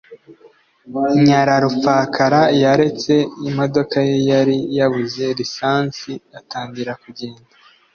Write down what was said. Nyararupfakara yaretse imodoka ye yari yabuze lisansi atangira kugenda.